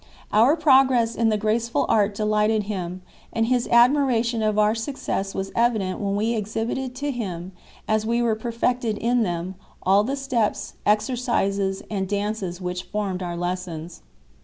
Our progress in the graceful art delighted him, and his admiration of our success was evident when we exhibited to him, as we were perfected in them, all the steps, exercises and dances which formed our lessons.